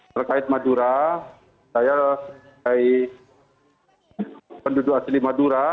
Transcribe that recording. terkait madura saya sebagai penduduk asli madura